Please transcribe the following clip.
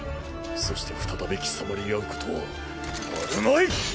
そして再び貴様に会うことはあるまい！